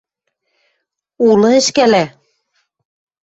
— Улы ӹшкӓлӓ.